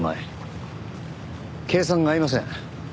計算が合いません。